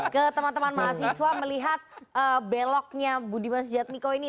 ke teman teman mahasiswa melihat beloknya budi mas jadmiko ini